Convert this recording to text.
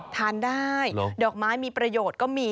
ทานได้ดอกไม้มีประโยชน์ก็มี